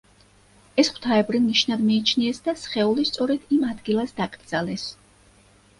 ეს ღვთაებრივ ნიშნად მიიჩნიეს და სხეული სწორედ იმ ადგილას დაკრძალეს.